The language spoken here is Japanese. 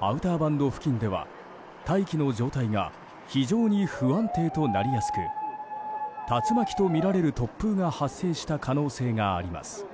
アウターバンド付近では大気の状態が非常に不安定となりやすく竜巻とみられる突風が発生した可能性があります。